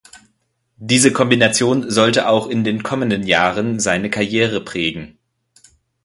Diese Kombination sollte auch in den kommenden Jahren seine Karriere prägen.